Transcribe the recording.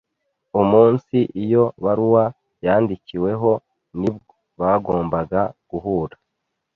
umunsi iyo baruwa yandikiweho nibw bagombaga guhura